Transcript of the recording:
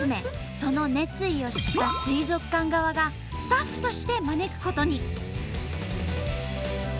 その熱意を知った水族館側がスタッフとして招くことに。